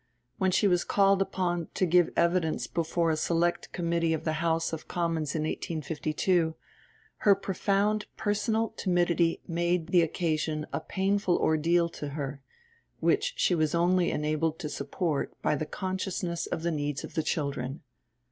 When she was called upon to give evidence before a Select Committee of the House of Commons in 1852, her profound personal timidity made the occasion a painful ordeal to her, which she was only enabled to support by the consciousness of the needs of the children.